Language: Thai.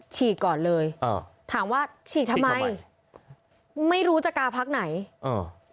ฉีกก่อนเลยอ่าถามว่าฉีกทำไมไม่รู้จะกาพักไหนอ่า